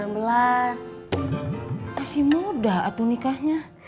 masih muda waktu nikahnya